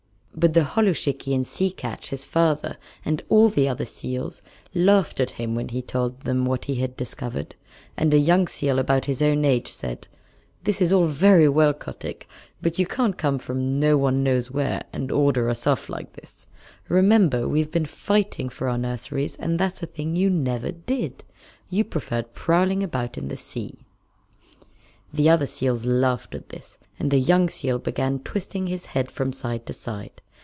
But the holluschickie and Sea Catch, his father, and all the other seals laughed at him when he told them what he had discovered, and a young seal about his own age said, "This is all very well, Kotick, but you can't come from no one knows where and order us off like this. Remember we've been fighting for our nurseries, and that's a thing you never did. You preferred prowling about in the sea." The other seals laughed at this, and the young seal began twisting his head from side to side.